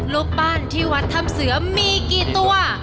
รูปบ้านที่วัดธรรมเสือมีกี่ตัว